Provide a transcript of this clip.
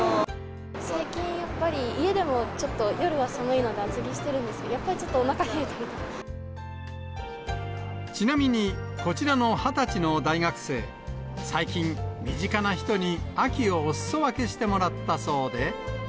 最近やっぱり、家でもちょっと夜は寒いので、厚着してるんですけど、やっぱりちょっとおなかちなみに、こちらの２０歳の大学生、最近、身近な人に秋をおすそ分けしてもらったそうで。